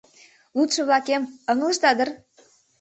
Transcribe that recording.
Лудшо-влакем, ыҥлышда дыр?